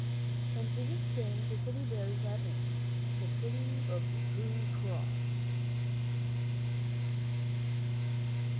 And to this day the city bears that name — the "City of the True Cross."